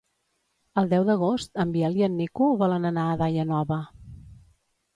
El deu d'agost en Biel i en Nico volen anar a Daia Nova.